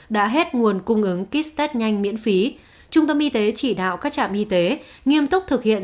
đã hết nguồn cung ứng kích test nhanh miễn phí trung tâm y tế chỉ đạo các trạm y tế nghiêm túc thực hiện